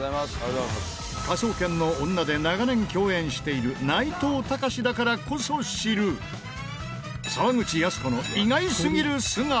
『科捜研の女』で長年共演している内藤剛志だからこそ知る沢口靖子の意外すぎる素顔。